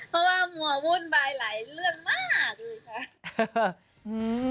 เพราะว่ามัววุ่นวายหลายเรื่องมากเลยค่ะ